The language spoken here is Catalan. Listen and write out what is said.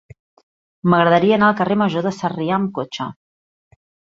M'agradaria anar al carrer Major de Sarrià amb cotxe.